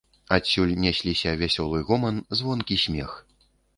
Адусюль несліся вясёлы гоман, звонкі смех.